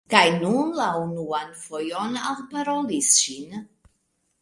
Kaj nun la unuan fojon alparolis ŝin.